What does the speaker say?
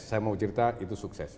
saya mau cerita itu sukses